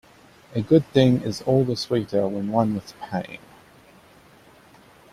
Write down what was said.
A good thing is all the sweeter when won with pain.